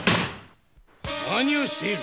何をしている！